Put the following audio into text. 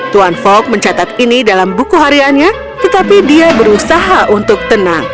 tuan fog mencatat ini dalam buku hariannya tetapi dia berusaha untuk tenang